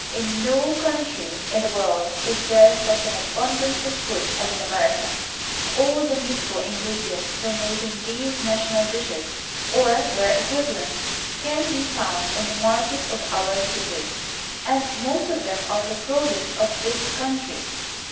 In no country in the world is there such an abundance of food as in America; all the needful ingredients for making these national dishes, or their equivalents, can be found in the markets of our cities, and most of them are the products of this country.